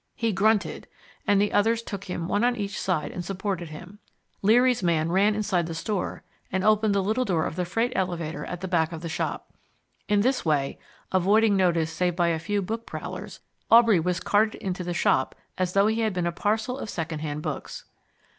He grunted, and the others took him one on each side and supported him. Leary's man ran inside the store and opened the little door of the freight elevator at the back of the shop. In this way, avoiding notice save by a few book prowlers, Aubrey was carted into the shop as though he had been a parcel of second hand books.